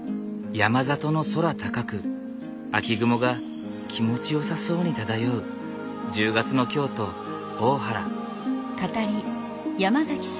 山里の空高く秋雲が気持ちよさそうに漂う１０月の京都大原。